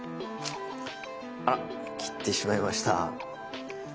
あら切ってしまいました。